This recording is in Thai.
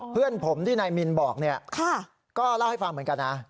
เพื่อนผมที่ในมินบอกก็เล่าให้ฟังเหมือนกัน